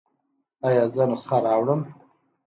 ایا زه نسخه راوړم؟